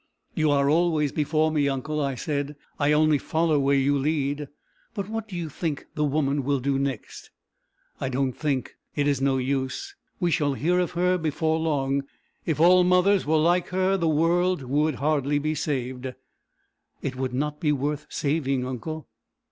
"You are always before me, uncle!" I said. "I only follow where you lead. But what do you think the woman will do next?" "I don't think. It is no use. We shall hear of her before long. If all mothers were like her, the world would hardly be saved!" "It would not be worth saving, uncle."